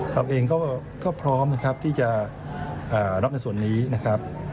เราเองก็พร้อมนะครับที่จะรับในส่วนนี้นะครับ